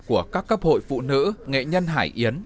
của các cấp hội phụ nữ nghệ nhân hải yến